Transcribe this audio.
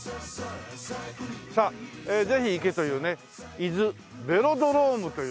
さあぜひ行けというね伊豆ベロドロームというね。